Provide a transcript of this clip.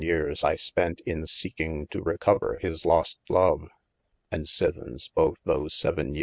yeares I spent in seeking to recover his lost love : and sithens both those vii.